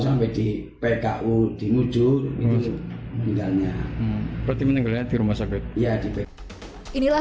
sampai di pku di nguju ini meninggalnya berarti meninggalnya di rumah sakit ya di inilah